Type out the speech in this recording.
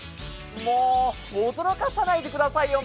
もうおどろかさないでくださいよ